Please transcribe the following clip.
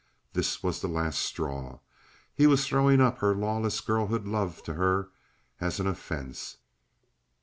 This was the last straw. He was throwing up her lawless girlhood love to her as an offense.